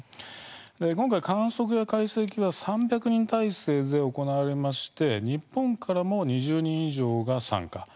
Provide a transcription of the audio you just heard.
今回、観測や解析は３００人態勢で行われまして日本からも２０人以上が参加。